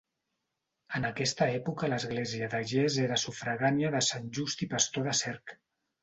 En aquesta època l'església de Ges era sufragània de Sant Just i Pastor de Cerc.